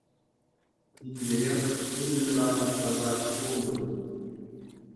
Тинтерех ҫунӑ юра таптаса ҫул тунӑ.